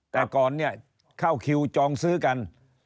แต่ก่อนเนี่ยเข้าคิวจองซื้อกัน